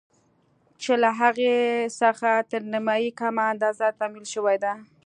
چې له هغې څخه تر نيمايي کمه اندازه تمويل شوې ده.